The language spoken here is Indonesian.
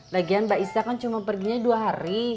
lagian mbak isya kan cuma perginya dua hari